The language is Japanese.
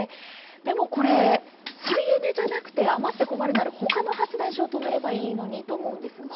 でもこれ、再エネじゃなくて余って困るならほかの発電所を止めればいいのにと思うんですが。